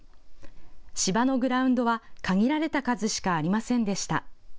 芝のグラウンドは限られた数しかありませんでした。